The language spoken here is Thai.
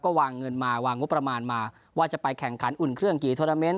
วางเงินมาวางงบประมาณมาว่าจะไปแข่งขันอุ่นเครื่องกี่โทรเมนต